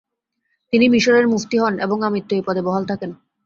তিনি মিশরের মুফতি হন এবং আমৃত্যু এই পদে বহাল থাকেন।